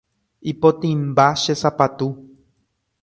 Ipotĩmba che sapatu.